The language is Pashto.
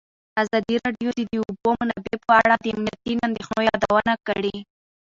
ازادي راډیو د د اوبو منابع په اړه د امنیتي اندېښنو یادونه کړې.